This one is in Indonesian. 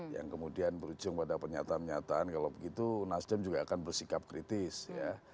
yang kemudian berujung pada pernyataan pernyataan kalau begitu nasdem juga akan bersikap kritis ya